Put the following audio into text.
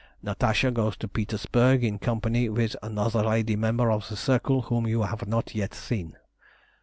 Natasha goes to Petersburg in company with another lady member of the Circle whom you have not yet seen.